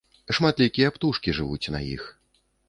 Шматлікія птушкі жывуць на іх.